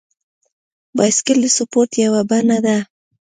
بایسکل د سپورت یوه بڼه ده.